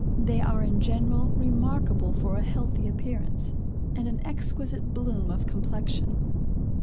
They are in general remarkable for a healthy appearance, and an exquisite bloom of complexion.